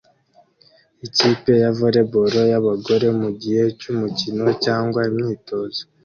Ikipe ya volley ball y'abagore mugihe cy'umukino cyangwa imyitozo